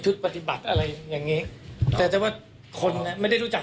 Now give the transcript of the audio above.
ปฏิบัติอะไรอย่างงี้แต่แต่ว่าคนอ่ะไม่ได้รู้จัก